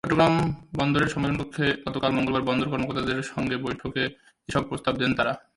চট্টগ্রাম বন্দরের সম্মেলনকক্ষে গতকাল মঙ্গলবার বন্দর কর্মকর্তাদের সঙ্গে বৈঠকে এসব প্রস্তাব দেন তাঁরা।